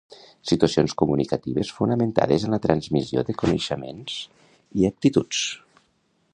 Situacions comunicatives fonamentades en la transmissió de coneixements i actituds.